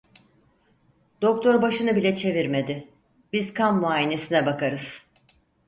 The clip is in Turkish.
Doktor başını bile çevirmedi: "Biz kan muayenesine bakarız…"